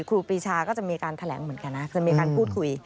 ครูปีชาก็จะมีการแถลงเหมือนกันนะจะมีการพูดคุย